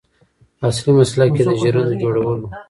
اصلي مسلک یې د ژرندو جوړول و.